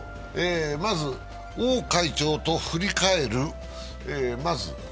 まず、王会長と振り返る。